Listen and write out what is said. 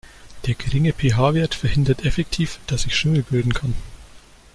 Der geringe PH-Wert verhindert effektiv, dass sich Schimmel bilden kann.